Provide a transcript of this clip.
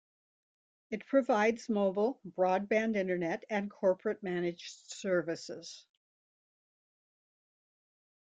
It provides mobile, broadband internet and corporate managed services.